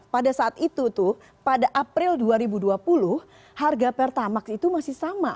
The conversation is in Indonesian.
pada saat itu tuh pada april dua ribu dua puluh harga pertamax itu masih sama